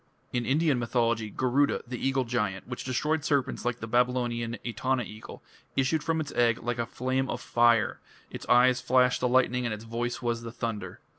In Indian mythology Garuda, the eagle giant, which destroyed serpents like the Babylonian Etana eagle, issued from its egg like a flame of fire; its eyes flashed the lightning and its voice was the thunder.